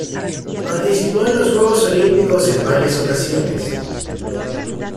Participó en los juegos olímpicos en varias ocasiones.